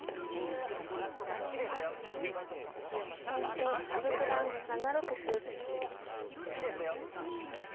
先手羽生九段７六歩。